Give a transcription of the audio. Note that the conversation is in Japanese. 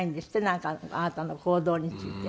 なんかあなたの行動について。